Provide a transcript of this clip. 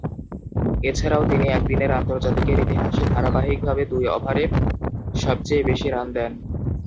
এছাড়াও তিনি একদিনের আন্তর্জাতিকের ইতিহাসে ধারাবাহিকভাবে দুই ওভারে সবচেয়ে বেশি রান দেন।